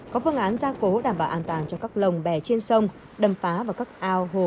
có phương án gia cố đảm bảo an toàn cho các lồng bè trên sông đầm phá và các ao hồ